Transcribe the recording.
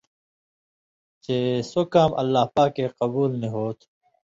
چے سو کام اللہ پاکے قبُول نی ہو تھُو۔